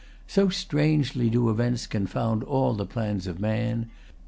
So strangely do events confound all the plans of man.